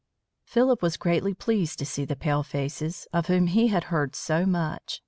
Philip was greatly pleased to see the palefaces, of whom he had heard so much.